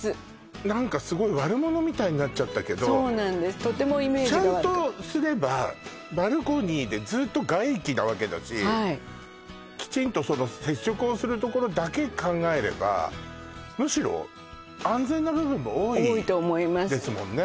何かスゴい悪者みたいになっちゃったけどそうとてもイメージが悪かったちゃんとすればバルコニーでずっと外気なわけだしはいきちんとその接触をする所だけ考えればむしろ安全な部分も多い多いと思いますですもんね